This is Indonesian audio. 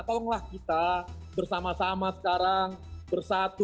tolonglah kita bersama sama sekarang bersatu